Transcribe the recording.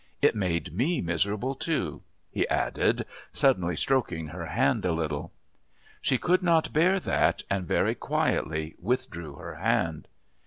It made me miserable too," he added, suddenly stroking her hand a little. She could not bear that and very quietly withdrew her hand.